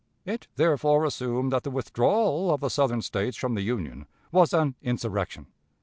It, therefore, assumed that the withdrawal of the Southern States from the Union was an insurrection.